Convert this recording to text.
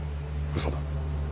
嘘だ。